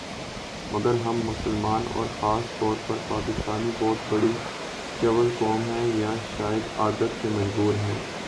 مگر ہم مسلمان اور خاص طور پر پاکستانی بہت بڑی چول قوم ہیں ، یا شاید عادت سے مجبور ہیں